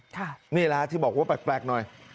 นี่แหละที่บอกว่าแปลกหน่อย